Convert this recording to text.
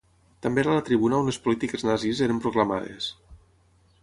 També era la tribuna on les polítiques nazis eren proclamades.